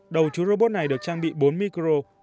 đầu chú robot này được trang bị bốn micro